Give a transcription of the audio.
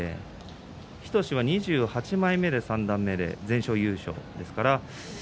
日翔志は２８枚目で三段目、全勝優勝です。